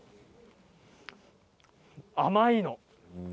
甘いの。